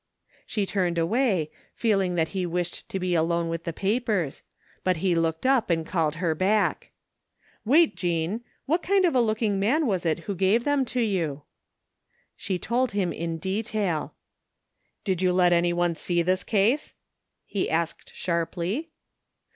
She turned away, feeling that he wished to be alone with the papers, but he looked up and called her back. " Wait, Jean. What kind of a looking man was it who gave them to you? " She told him in detail. "Did you let anyone see this case?" he asked sharply.